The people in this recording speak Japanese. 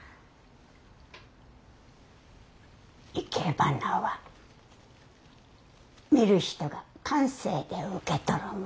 生け花は見る人が感性で受け取るもの。